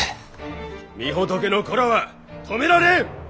御仏の子らは止められん！